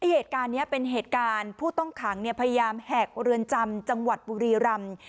เหตุการณ์นี้เป็นเหตุการณ์ผู้ต้องขังพยายามแหกเรือนจำจังหวัดบุรีรำ